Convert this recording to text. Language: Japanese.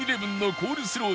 コールスロー。